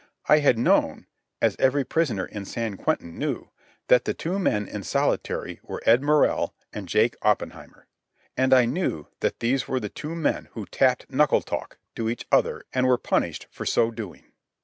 I had known, as every prisoner in San Quentin knew, that the two men in solitary were Ed Morrell and Jake Oppenheimer. And I knew that these were the two men who tapped knuckle talk to each other and were punished for so doing.